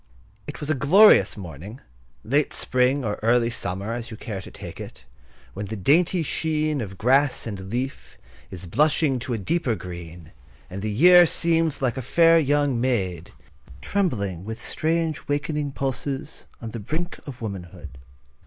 It was a glorious morning, late spring or early summer, as you care to take it, when the dainty sheen of grass and leaf is blushing to a deeper green; and the year seems like a fair young maid, trembling with strange, wakening pulses on the brink of womanhood.